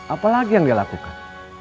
apa lagi yang dia lakukan